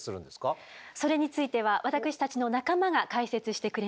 それについては私たちの仲間が解説してくれます。